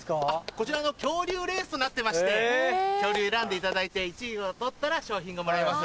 こちら恐竜レースとなってまして恐竜選んでいただいて１位を取ったら賞品がもらえます。